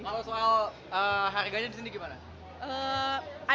kalau soal harganya di sini gimana